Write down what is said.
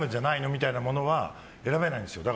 みたいなものは選べないんですよ。